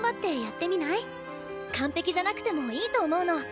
完璧じゃなくてもいいと思うの。